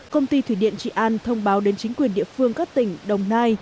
công ty thủy điện trị an thông báo đến chính quyền địa phương các tỉnh đồng nai